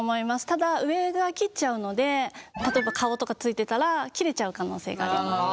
ただ上側切っちゃうので例えば顔とかついてたら切れちゃう可能性があります。